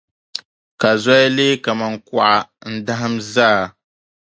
Ka zoya leei kamani kuɣa n-dahim zaa.